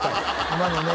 今のね